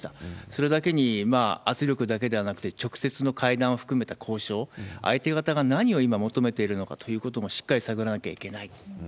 それだけに、圧力だけではなくて、直接の会談を含めた交渉、相手方が何を今求めているのかということもしっかり探らなきゃい